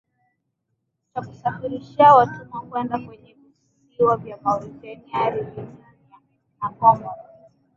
cha kusafirishia watumwa kwenda kwenye visiwa vya Mauritania Reunioni na Komoro